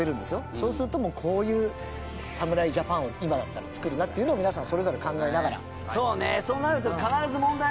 そうするとこういう侍ジャパンを今だったら作るなっていうのを皆さんそれぞれ考えながら。